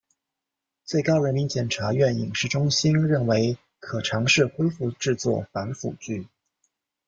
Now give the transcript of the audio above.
最高人民检察院影视中心认为可尝试恢复制作反腐剧。